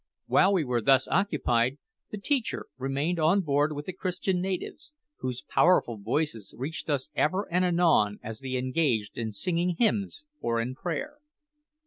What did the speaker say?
While we were thus occupied, the teacher remained on board with the Christian natives, whose powerful voices reached us ever and anon as they engaged in singing hymns or in prayer.